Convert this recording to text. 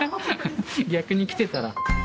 逆に来てたら。